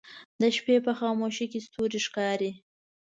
د شپې په خاموشۍ کې ستوری ښکاري